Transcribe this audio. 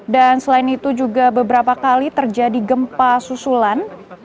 dan selain itu juga beberapa kali terjadi gempa susulan